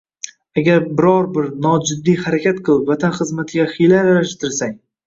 Agar bir bor nojiddiy harakat qilib, vatan xizmatiga hiyla aralashtirsang